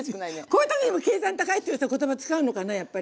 こういう時にも計算高いって言葉使うのかなやっぱり。